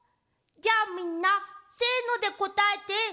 じゃあみんなせのでこたえて。